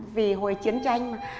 vì hồi chiến tranh mà